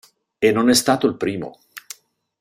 E non è stato il primo.